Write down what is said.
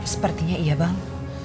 sepertinya iya bang